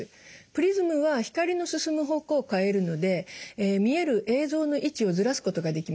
プリズムは光の進む方向を変えるので見える映像の位置をずらすことができます。